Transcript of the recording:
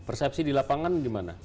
persepsi di lapangan gimana